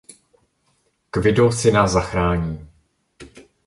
Quido syna zachrání.